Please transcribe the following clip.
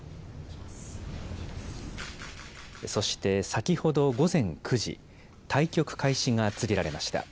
そして先ほど午前９時、対局開始が告げられました。